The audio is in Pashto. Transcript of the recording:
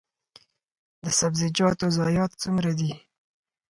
د سبزیجاتو ضایعات څومره دي؟